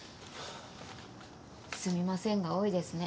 「すみません」が多いですね。